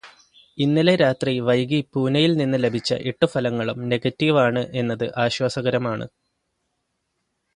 ഇന്നലെ രാത്രി വൈകി പൂനെയില് നിന്ന് ലഭിച്ച എട്ടു ഫലങ്ങളും നെഗറ്റീവ് ആണ് എന്നത് ആശ്വാസകരമാണ്.